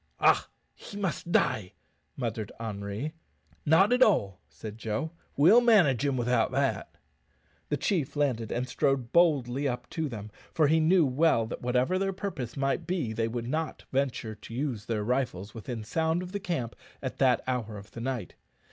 "Ha! he must die," muttered Henri. "Not at all," said Joe; "we'll manage him without that." The chief landed and strode boldly up to them, for he knew well that whatever their purpose might be they would not venture to use their rifles within sound of the camp at that hour of the night.